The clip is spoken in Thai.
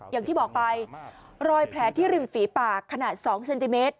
อย่างที่บอกไปรอยแผลที่ริมฝีปากขนาด๒เซนติเมตร